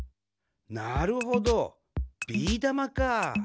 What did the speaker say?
なるほどビーだまかあ。